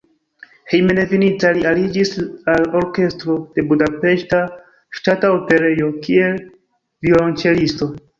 Hejmenveninta li aliĝis al orkestro de Budapeŝta Ŝtata Operejo, kiel violonĉelisto.